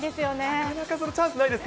なかなかチャンスないですか